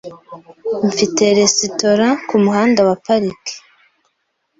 Mfite resitora kumuhanda wa Park .